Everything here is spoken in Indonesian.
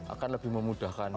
akan lebih memudahkan